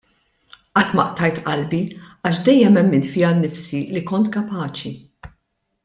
Qatt ma qtajt qalbi għax dejjem emmint fija nnifsi li kont kapaċi.